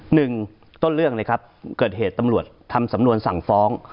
หนึ่งต้นเรื่องเลยครับเกิดเหตุตำรวจทำสำนวนสั่งฟ้อง